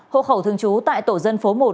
hộ khẩu thường trú tại tổ dân phố một